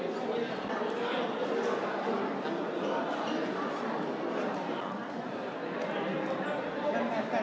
น้องน้องจะพูดหนึ่งนะครับร่างกายสูงรุ่นเสียงแรงนะครับ